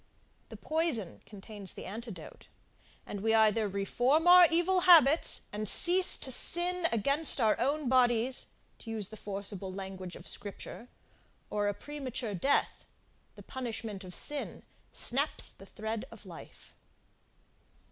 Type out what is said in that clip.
The poison contains the antidote; and we either reform our evil habits, and cease to sin against our own bodies, to use the forcible language of scripture, or a premature death, the punishment of sin, snaps the thread of life.